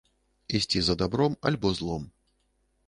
Ісці за дабром, альбо злом.